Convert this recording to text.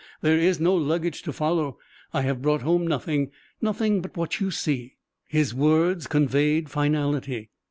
There is no luggage to follow. I have brought home nothing nothing but what you see." His words conveyed finality.